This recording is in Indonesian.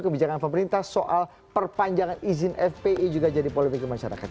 kebijakan pemerintah soal perpanjangan izin fpi juga jadi polemik ke masyarakat